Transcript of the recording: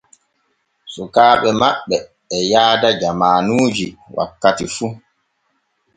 Sukaaɓe maɓɓe e yaada jamaanuji wakkati fu.